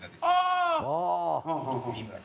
ああ！